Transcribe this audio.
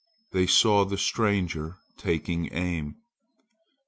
They saw the stranger taking aim.